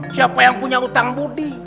siapa yang punya utang budi